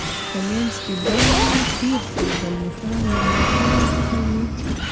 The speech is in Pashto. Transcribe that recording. په منځ کې بند و، تېر شو، زلمی خان: له موټرو څخه یې.